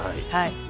はい。